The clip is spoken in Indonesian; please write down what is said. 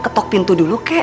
ketok pintu dulu kek